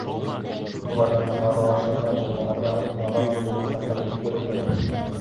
Улар менән аралашырға, тыңларға, наҙын бүлергә ҡасан өлгөрәлер ул?